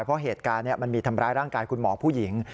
เพราะเหตุการณ์มันมีทำร้ายร่างกายคุณหมอผู้หญิง